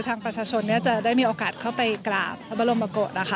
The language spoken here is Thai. ทางประชาชนก์เนี่ยจะได้มีโอกาสเข้าไปกราบบรมกรดนะคะ